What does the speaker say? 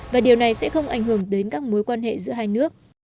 và điều này sẽ không ảnh hưởng đến các mối quan hệ giữa hai nước